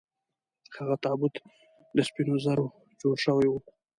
هغه تابوت له سپینو زرو جوړ شوی و.